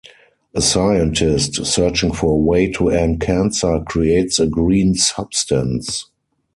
A scientist, searching for a way to end cancer, creates a green substance.